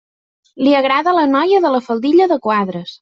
Li agrada la noia de la faldilla de quadres.